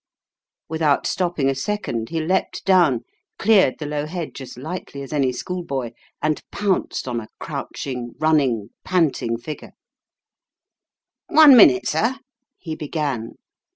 Without stopping a second he leaped down, cleared the low hedge as lightly as any schoolboy, and pounced on a crouching, running, panting figure. "One minute, sir," he began.